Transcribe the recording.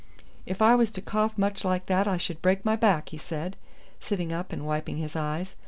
"If I was to cough much like that I should break my back," he said, sitting up and wiping his eyes.